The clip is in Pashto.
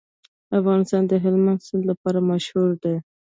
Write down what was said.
افغانستان د هلمند سیند لپاره مشهور دی.